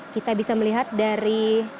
kita bisa melihat dari